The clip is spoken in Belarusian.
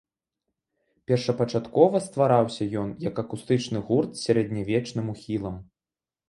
Першапачаткова ствараўся ён як акустычны гурт з сярэднявечным ухілам.